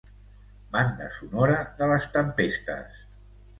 Banda sonora de les tempestes.